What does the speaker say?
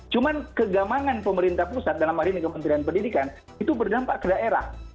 cuma kegamangan pemerintah pusat dalam hal ini kementerian pendidikan itu berdampak ke daerah